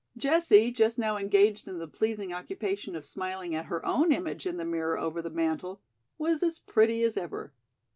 Jessie, just now engaged in the pleasing occupation of smiling at her own image in the mirror over the mantel, was as pretty as ever.